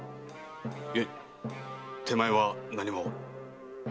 いえ手前は何も。